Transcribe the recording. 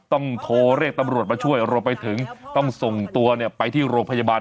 ต้องโทรเรียกตำรวจมาช่วยรวมไปถึงต้องส่งตัวไปที่โรงพยาบาล